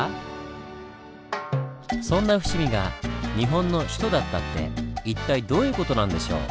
そんな伏見が日本の首都だったって一体どういう事なんでしょう？